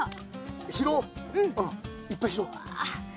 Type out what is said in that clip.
拾おういっぱい拾おう。